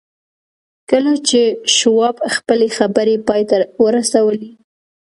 کله چې شواب خپلې خبرې پای ته ورسولې.